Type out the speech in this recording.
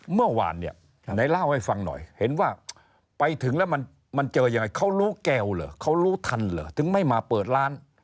เมื่อวานเนี่ยไหนเล่าให้ฟังหน่อยเห็นว่าไปถึงแล้วมันเจอยังไงเขารู้แก้วเหรอเขารู้ทันเหรอถึงไม่มาเปิดร้าน